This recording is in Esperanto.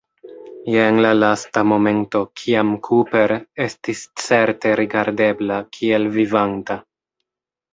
Jen la lasta momento, kiam Cooper estis certe rigardebla kiel vivanta.